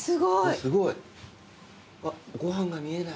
すごい！うわご飯が見えない。